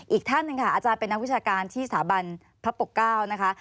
อีกท่านหนึ่งค่ะอาจารย์เป็นนักวิชาการที่สถาบันพระปกเก้านะคะ